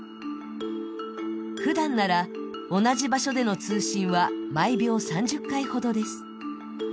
ふだんなら、同じ場所での通信は毎秒３０回ほどです。